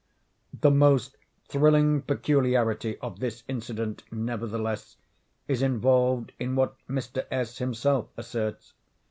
The most thrilling peculiarity of this incident, nevertheless, is involved in what Mr. S. himself asserts.